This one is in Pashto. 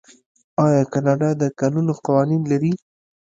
آیا کاناډا د کانونو قوانین نلري؟